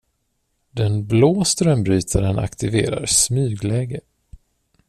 Den blå strömbrytaren aktiverar smygläge.